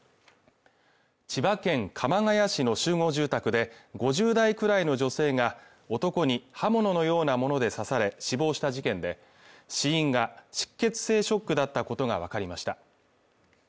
千葉県鎌ケ谷市の集合住宅で５０代くらいの女性が男に刃物のようなもので刺され死亡した事件で死因が失血性ショックだったことが分かりました